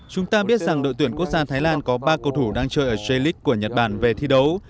chúng ta biết rằng đội tuyển quốc gia thái lan có ba cầu thủ đang chơi ở j league của nhật bản về thi đấu